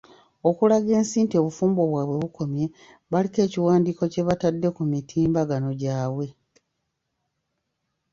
Okulaga ensi nti obufumbo bwabwe bukomye baliko ekiwandiiko kye batadde ku mitimbagano gyabwe.